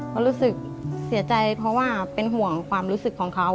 ก็รู้สึกเสียใจเพราะว่าเป็นห่วงความรู้สึกของเขา